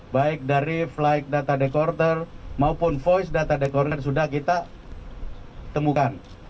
baik dari flight data decorter maupun voice data decorder sudah kita temukan